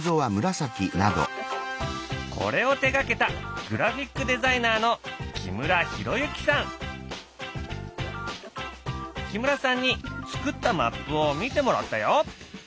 これを手がけた木村さんに作ったマップを見てもらったよ！